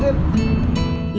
makan apa makan makan